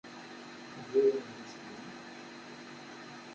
Ad yi-d-yawi adlis-nni.